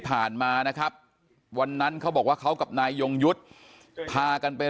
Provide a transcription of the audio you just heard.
มานะครับวันนั้นเขาบอกว่าเขากับนายยงยุทธ์พากันไป